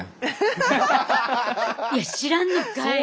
いや知らんのかい！